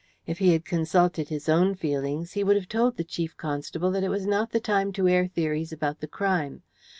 If he had consulted his own feelings he would have told the Chief Constable that it was not the time to air theories about the crime.